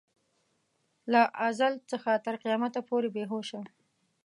له ازل څخه تر قیامته پورې بې هوشه.